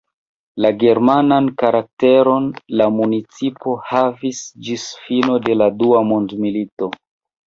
La germanan karakteron la municipo havis ĝis fino de la dua mondmilito.